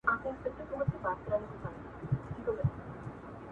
او همدې درېو ورځو کي